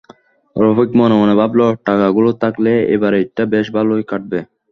রফিক মনে মনে ভাবল, টাকাগুলো থাকলে এবারের ঈদটা বেশ ভালোই কাটবে।